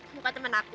kamu kan temen aku